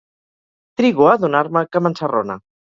Trigo a adonar-me que m'ensarrona.